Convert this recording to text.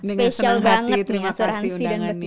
special banget nih asuransi dan berkumpul